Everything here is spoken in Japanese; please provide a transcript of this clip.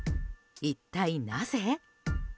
一体なぜ？